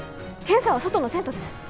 検査は外のテントです。